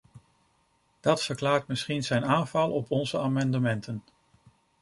Dat verklaart misschien zijn aanval op onze amendementen.